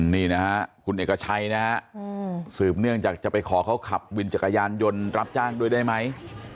นี่นะฮะคุณเอกชัยนะฮะสืบเนื่องจากจะไปขอเขาขับวินจักรยานยนต์รับจ้างด้วยได้ไหม